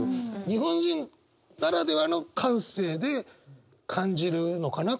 日本人ならではの感性で感じるのかな